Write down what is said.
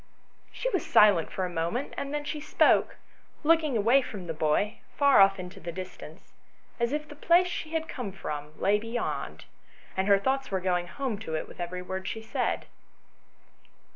She was silent for a moment, and then she spoke, looking away from the boy, far off into the distance, as if the place she had come from lay xir.] IN THE PORCH. 141 beyond, and her thoughts were going home to it with every word she said.